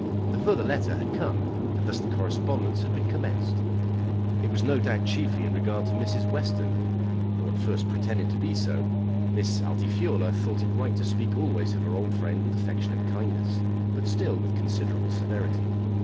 The further letter had come and thus the correspondence had been commenced. It was no doubt chiefly in regard to Mrs. Western; or at first pretended to be so. Miss Altifiorla thought it right to speak always of her old friend with affectionate kindness; but still with considerable severity.